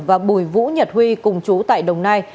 và bùi vũ nhật huy cùng chú tại đồng nai